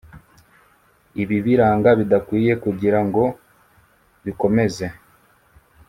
ibibiranga bidakwiye kugira ngo bikomeze